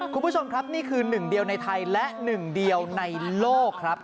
คุณผู้ชมครับนี่คือหนึ่งเดียวในไทยและหนึ่งเดียวในโลกครับ